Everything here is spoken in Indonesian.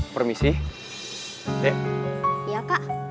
permisi dek iya kak